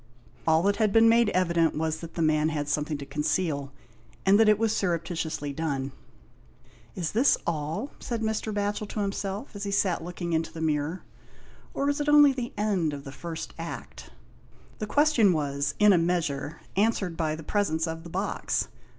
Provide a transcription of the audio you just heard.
All that had been made evident was that the man had something to conceal, and that it was surreptitiously done. "Is this all?" said Mr. Batchel to himself as he sat looking into the mirror, " or is it only the end of the first Act ?" The question was, in a measure, answered by the presence of the box.